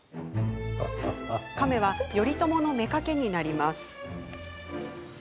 亀は頼朝の、めかけになります。